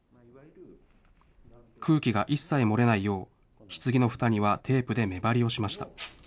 空気が一切漏れないよう、ひつぎのふたにはテープで目張りをしました。